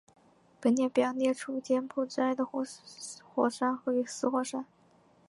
本列表列出柬埔寨的活火山与死火山。